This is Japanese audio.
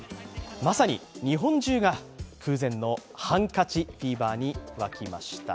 まさに日本中が空前のハンカチフィーバーに沸きました。